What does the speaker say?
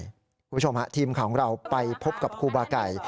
คุณผู้ชมฮะทีมข่าวของเราไปพบกับครูบาไก่